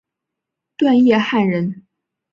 段业汉人。